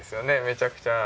めちゃくちゃ。